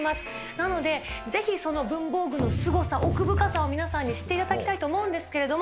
なので、ぜひその文房具のすごさ、奥深さを知っていただきたいと思うんですけれども。